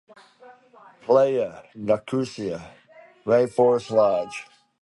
Playa Nicuesa Rainforest Lodge.